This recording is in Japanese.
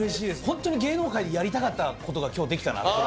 ホントに芸能界でやりたかった事が今日できたなって。